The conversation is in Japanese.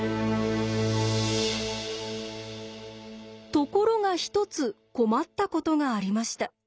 ところが一つ困ったことがありました。